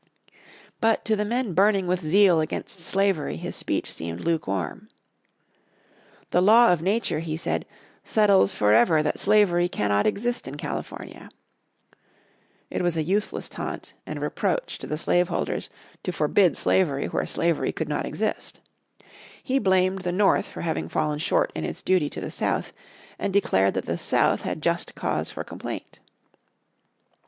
But to the men burning with zeal against slavery his speech seemed lukewarm. "The law of Nature," he said, "settles forever that slavery cannot exist in California." It was a useless taunt and reproach to the slave holders to forbid slavery where slavery could not exist. He blamed the North for having fallen short in its duty to the South, and declared that the South had just cause for complaint.